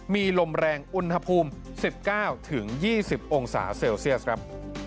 มีลมแรงอุณหภูมิ๑๙๒๐องศาเซลเซียสครับ